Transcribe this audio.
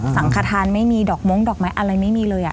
สังขทานไม่มีดอกม้งดอกไม้อะไรไม่มีเลย